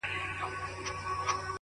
وهر يو رگ ته يې د ميني کليمه وښايه”